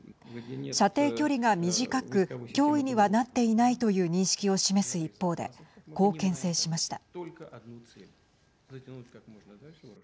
射程距離が短く脅威にはなっていないという認識を示す一方でこう、けん制しました。